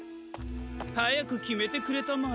はやくきめてくれたまえ。